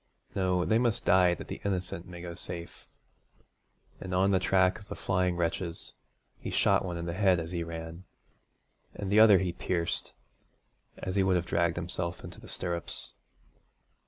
No! they must die that the innocent may go safe,' and on the track of the flying wretches, he shot one in the head as he ran, and the other he pierced, as he would have dragged himself into the stirrups.